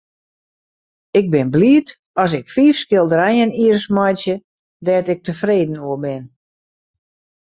Ik bin bliid as ik fiif skilderijen jiers meitsje dêr't ik tefreden oer bin.